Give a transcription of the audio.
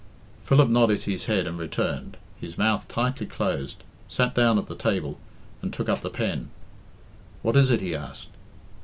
Philip nodded his head and returned, his mouth tightly closed, sat down at the table, and took up the pen. "What is it?" he asked.